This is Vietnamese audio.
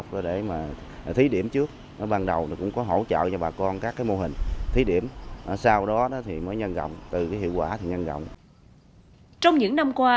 trong những năm qua